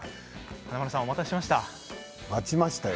華丸さん、お待たせしました。